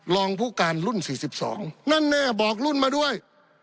รองผู้การรุ่น๔๒นั่นแน่บอกรุ่นมาด้วย